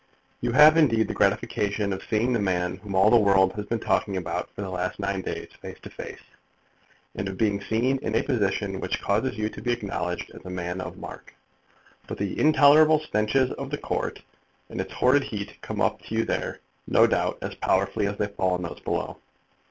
You have, indeed, the gratification of seeing the man whom all the world has been talking about for the last nine days, face to face; and of being seen in a position which causes you to be acknowledged as a man of mark; but the intolerable stenches of the Court and its horrid heat come up to you there, no doubt, as powerfully as they fall on those below.